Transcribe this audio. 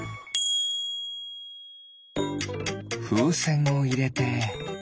ふうせんをいれて。